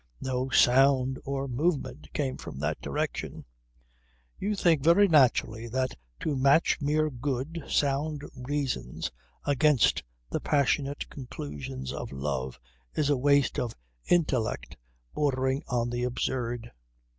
No sound or movement came from that direction. "You think very naturally that to match mere good, sound reasons, against the passionate conclusions of love is a waste of intellect bordering on the absurd."